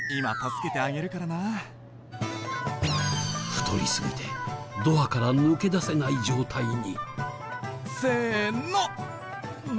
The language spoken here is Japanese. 太りすぎてドアから抜け出せない状態に。